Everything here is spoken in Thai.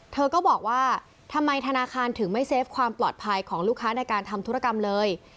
เธอก็บอกว่าทำไมธนาคารถึงไม่เซฟความปลอดภัยของลูกค้าในการทำธุรกรรมเลย